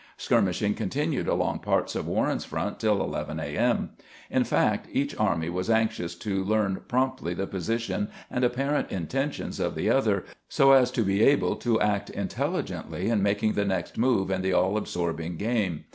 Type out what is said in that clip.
Skirmishing continued along parts of Warren's front till 11 a. m. In fact, each army was anxious to learn promptly the position and apparent intentions of the other, so as to be able to act intelligently in making the next move in the aU absorbing game.